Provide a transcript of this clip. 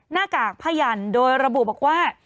หน้ากากพยันโดยระบุบอกว่า